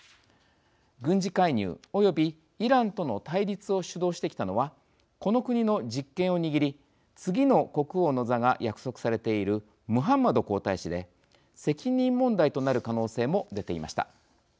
軍事介入、およびイランとの対立を主導してきたのはこの国の実権を握り次の国王の座が約束されているムハンマド皇太子で責任問題となる可能性も出ていました。